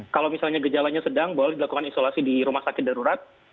kalau misalnya gejalanya sedang boleh dilakukan isolasi di rumah sakit darurat